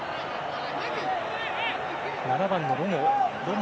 ７番のロモ。